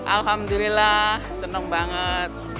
alhamdulillah senang banget